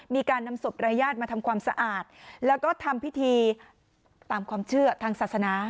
มีการนำศพรายญาติมาทำความสะอาดแล้วก็ทำพิธีตามความเชื่อทางศาสนา